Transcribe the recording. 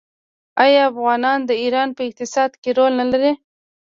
آیا افغانان د ایران په اقتصاد کې رول نلري؟